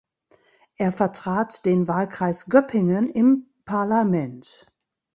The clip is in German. Er vertrat den Wahlkreis Göppingen im Parlament.